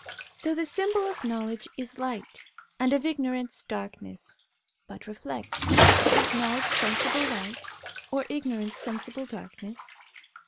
So the symbol of knowledge is light, and of ignor ance, darkness ; but reflect, is knowledge sensible light, or ignorance sensible darkness?